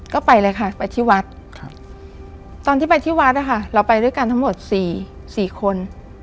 ก็ไปเลยค่ะไปที่วัดตอนที่ไปที่วัดนะคะเราไปด้วยกันทั้งหมด๔คน